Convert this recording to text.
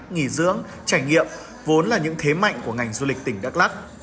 nghỉ dưỡng trải nghiệm vốn là những thế mạnh của ngành du lịch tỉnh đắk lắc